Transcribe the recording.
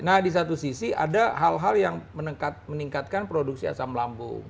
nah di satu sisi ada hal hal yang meningkatkan produksi asam lambung